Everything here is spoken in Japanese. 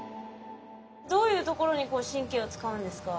どういうところに神経を使うんですか？